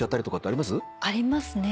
ありますね。